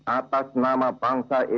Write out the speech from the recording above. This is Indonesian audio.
atas nama bangsa indonesia